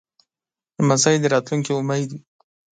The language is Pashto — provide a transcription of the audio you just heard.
لمسی د راتلونکې امید وي.